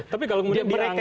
tapi kalau kemudian dianggap